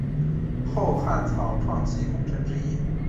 后汉草创期功臣之一。